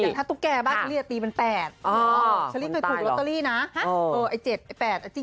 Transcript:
อย่างถ้าตุ๊กแกบ้านเชอรี่จะตีมัน๘